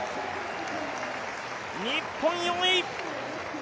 日本、４位！